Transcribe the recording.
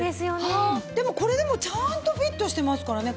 でもこれでもちゃんとフィットしてますからね